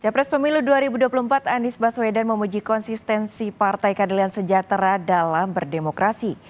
capres pemilu dua ribu dua puluh empat anies baswedan memuji konsistensi partai keadilan sejahtera dalam berdemokrasi